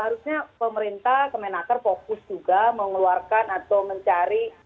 harusnya pemerintah kemenaker fokus juga mengeluarkan atau mencari